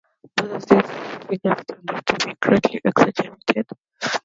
Both of these figures turned out to be greatly exaggerated.